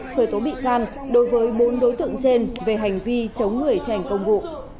khởi tố bị can đối với bốn đối tượng trên về hành vi chống người thành công vụ